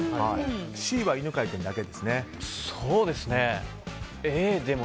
Ｃは犬飼君だけですね。